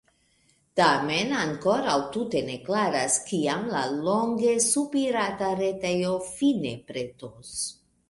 Tamen ankoraŭ tute ne klaras, kiam la longe sopirata retejo fine pretos.